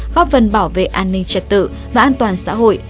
góp phần bảo vệ an ninh trật tự và an toàn xã hội